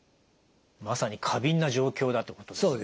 まさに過敏な状況だっていうことですね？